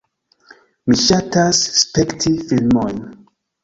Mi ŝatas spekti filmojn.